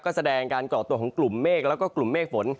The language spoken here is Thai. ก็แสดงการก่อตัวของกลุ่มเมฆแล้วก็กลุ่มเมฆฝน